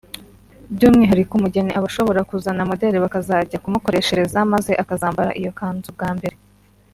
By'umwihariko umugeni aba ashobora kuzana modele bakazajya kumukoreshereza maze akazambara iyo kanzu bwa mbere